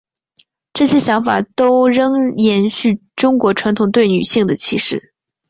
这些想法都仍延续中国传统对女性的歧视。